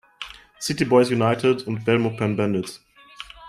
City Boys United und Belmopan Bandits.